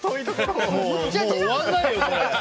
もう終わんないよ、これ。